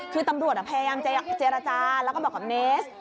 คือตำรวจพยายามเจรจาแล้วก็บอกกับเนส